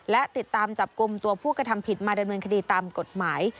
และติดตามจับกลุ่มตัวผู้กระทำผิดมาดำเนินคดีตามกฎหมาย